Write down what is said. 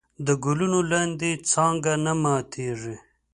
د ګلونو لاندې څانګه نه ماتېږي.